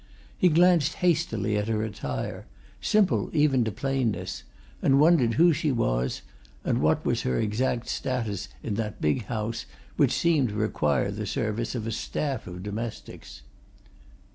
He glanced hastily at her attire simple, even to plainness and wondered who she was, and what was her exact status in that big house, which seemed to require the services of a staff of domestics.